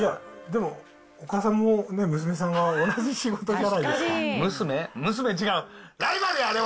でも、岡田さんもね、娘さんが同じ仕事じゃないですか。